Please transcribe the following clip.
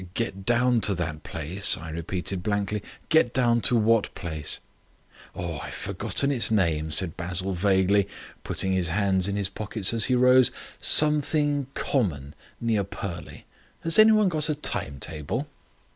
"Get down to that place?" I repeated blankly. "Get down to what place?" "I have forgotten its name," said Basil vaguely, putting his hands in his pockets as he rose. "Something Common near Purley. Has any one got a timetable?"